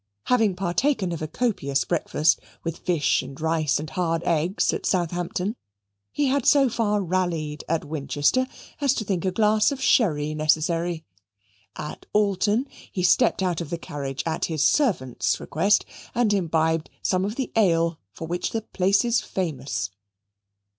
Having partaken of a copious breakfast, with fish, and rice, and hard eggs, at Southampton, he had so far rallied at Winchester as to think a glass of sherry necessary. At Alton he stepped out of the carriage at his servant's request and imbibed some of the ale for which the place is famous.